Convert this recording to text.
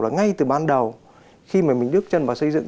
là ngay từ ban đầu khi mà mình bước chân vào xây dựng